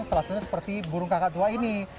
setelah selesai seperti burung kakak tua ini